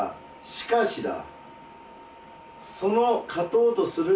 しかしだ！